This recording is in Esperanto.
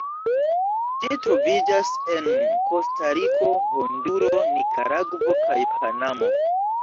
Ĝi troviĝas en Kostariko, Honduro, Nikaragvo kaj Panamo.